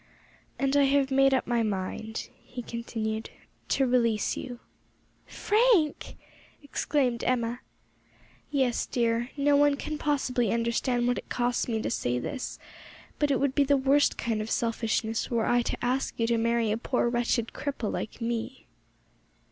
"And I have made up my mind," he continued, "to release you." "Frank!" exclaimed Emma. "Yes, dear. No one can possibly understand what it costs me to say this, but it would be the worst kind of selfishness were I to ask you to marry a poor wretched cripple like me."